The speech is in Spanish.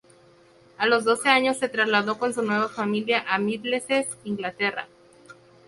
A los doce años se trasladó con su nueva familia a Middlesex, Inglaterra.